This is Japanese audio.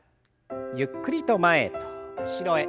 ゆっくりと前と後ろへ。